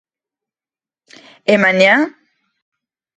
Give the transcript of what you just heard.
E mañá?